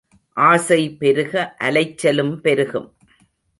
ஆசை பெருக அலைச்சலும் பெருகும்.